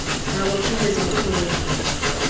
Ntabwo twigeze duhura